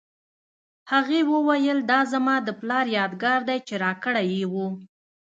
هغې وویل دا زما د پلار یادګار دی چې راکړی یې و